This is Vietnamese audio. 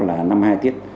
là năm hai tiết